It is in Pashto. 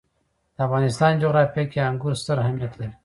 د افغانستان جغرافیه کې انګور ستر اهمیت لري.